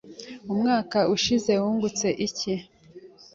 Umwaka ushize wungutse iki?